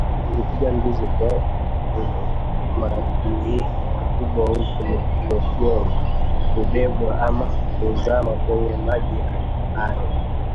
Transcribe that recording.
Nilipiga mbizi kwa umakinifu mkubwa huku nikihofu kubebwa ama kuzama kwenye maji hayo